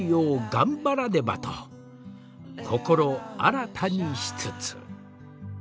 頑張らねばと心新たにしつつ」。